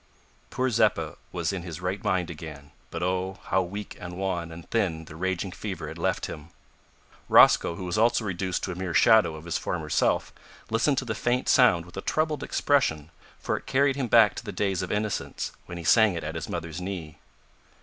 Poor Zeppa was in his right mind again, but oh! how weak and wan and thin the raging fever had left him! Rosco, who was also reduced to a mere shadow of his former self, listened to the faint sound with a troubled expression, for it carried him back to the days of innocence, when he sang it at his mother's knee.